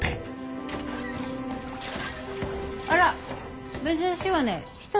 あら珍しいわね１人？